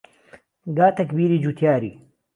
گا تەکبیری جووتیاری